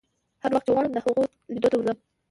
هر وخت چې وغواړم د هغو لیدو ته ورځم.